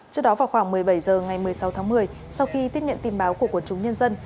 trước đó vào khoảng một mươi bảy h ngày một mươi sáu tháng một mươi sau khi tiếp nhận tin báo của quần chúng nhân dân